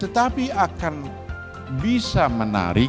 tetapi akan bisa mengembangkan pengembangan ekonomi syariah